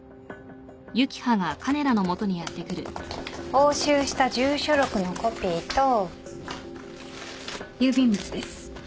押収した住所録のコピーと郵便物です。